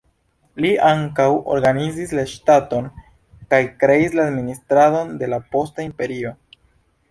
Li ankaŭ organizis la ŝtaton, kaj kreis la administradon de la posta imperio.